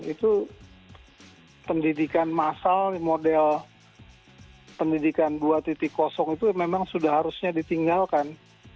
itu pendidikan massal model pendidikan dua itu memang sudah harusnya ditinggalkan